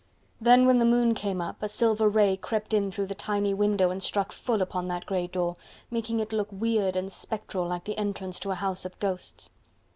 Then when the moon came up, a silver ray crept in through the tiny window and struck full upon that grey door, making it look weird and spectral like the entrance to a house of ghosts.